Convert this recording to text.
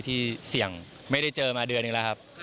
ที่เสี่ยงไม่ได้เจอมาเดือนหนึ่งแล้วครับ